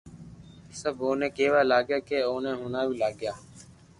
سب اوني ڪيوا لاگيا ڪي اوني ھڻاوي لاگيا